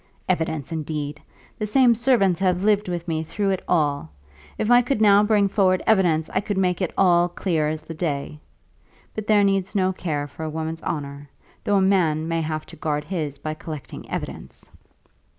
Evidence, indeed! The same servants have lived with me through it all. If I could now bring forward evidence I could make it all clear as the day. But there needs no care for a woman's honour, though a man may have to guard his by collecting evidence!"